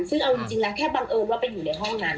ซึ่งเอาจริงแล้วแค่บังเอิญว่าไปอยู่ในห้องนั้น